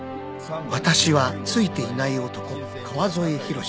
［私はついていない男川添博司］